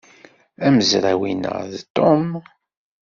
Amezraw-inna d Tom.